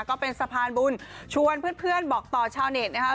ก็เป็นสะพานบุญชวนเพื่อนบอกต่อชาวเน็ตนะคะ